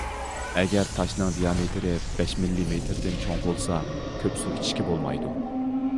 ئەگەر تاشنىڭ دىيامېتىرى بەش مىللىمېتىردىن چوڭ بولسا، كۆپ سۇ ئىچىشكە بولمايدۇ.